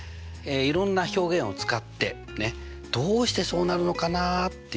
いろんな表現を使ってどうしてそうなるのかなっていうね